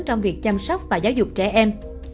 trong việc chăm sóc và giáo dục trẻ em